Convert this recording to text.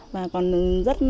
và còn rất